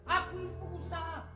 aku itu usaha